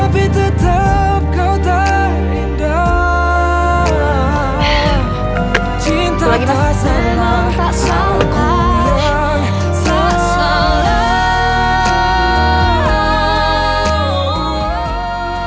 oh itu terlalu banyak